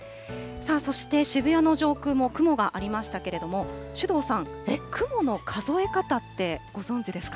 そして、渋谷の上空も雲がありましたけれども、首藤さん、雲の数え方ってご存じですか？